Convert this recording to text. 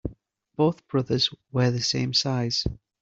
Both brothers wear the same size.